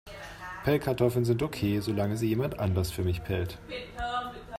Pellkartoffeln sind okay, solange sie jemand anders für mich pellt.